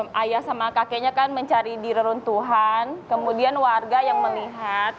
apa kami ayah sama kakenya kan mencari dirurun tuhan kemudian warga yang melihat